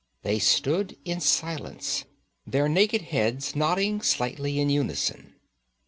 They stood in silence, their naked heads nodding slightly in unison.